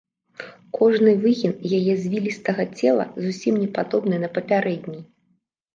Кожны выгін яе звілістага цела зусім не падобны на папярэдні.